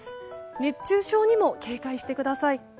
熱中症にも警戒してください。